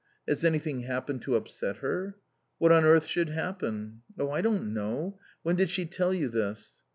"Has anything happened to upset her?" "What on earth should happen?" "Oh, I don't know. When did she tell you this?"